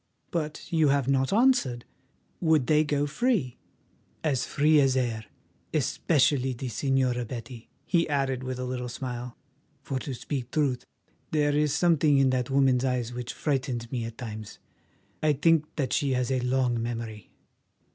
But you have not answered. Would they go free?" "As free as air—especially the Señora Betty," he added with a little smile, "for to speak truth, there is something in that woman's eyes which frightens me at times. I think that she has a long memory.